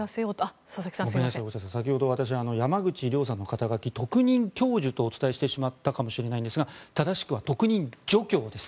先ほど私、山口亮さんの肩書特任教授とお伝えしてしまったかもしれないんですが正しくは特任助教です。